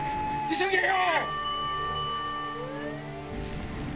急げよ！